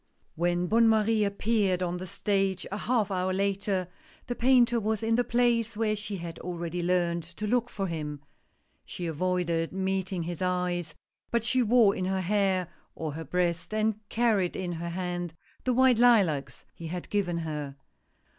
HEN Bonne Marie appeared on the stage a half T f hour later, the Painter was in the place where she had already learned to look for him. She avoided meeting his eyes, but she wore in her hair, or her breast, and carried in her hand the white lilacs he had given her.